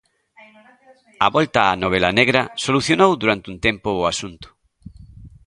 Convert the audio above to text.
A volta á novela negra solucionou durante un tempo o asunto.